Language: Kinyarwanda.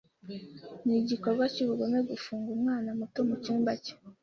Ni igikorwa cyubugome gufunga umwana muto mucyumba cye.